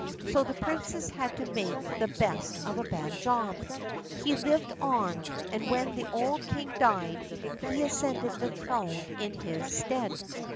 So the princess had to make the best of a bad job. He lived on, and when the old king died he ascended the throne in his stead.